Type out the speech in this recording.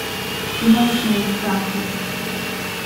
Cremation was practised.